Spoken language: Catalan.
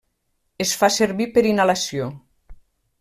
Es fa servir per inhalació.